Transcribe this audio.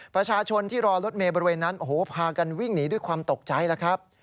ประชาชนที่รอรถเมย์บริเวณนั้นโอ้โหพากันวิ่งหนีด้วยความตกใจแล้วครับ